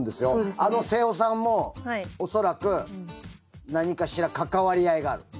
あの背尾さんも恐らく何かしら関わり合いがある。